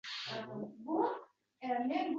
Arvohning o`zginasi